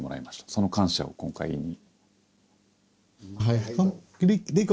その感謝を今回言いに。